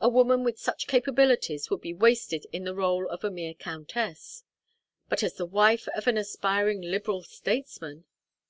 A woman with such capabilities would be wasted in the rôle of a mere countess but as the wife of an aspiring Liberal statesman!